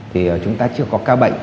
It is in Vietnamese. thì chúng ta chưa có ca bệnh